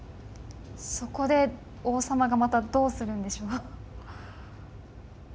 そこで王様がまたどうするんでしょう。